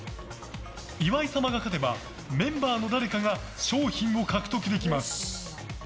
岩井様が勝てばメンバーの誰かが賞品を獲得できます。